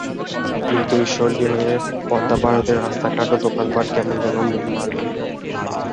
কিন্তু ঈশ্বরদী হয়ে পদ্মা পার হতেই রাস্তাঘাট ও দোকানপাটে কেমন যেন মালিন্য।